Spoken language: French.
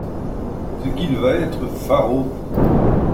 Ce qu'il va être faraud!